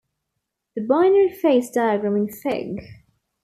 The binary phase diagram in Fig.